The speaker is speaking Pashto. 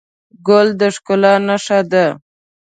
ګل د ښکلا نښه ده.